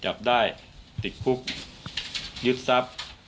จากนั้นก็จะนำมาพักไว้ที่ห้องพลาสติกไปวางเอาไว้ตามจุดนัดต่าง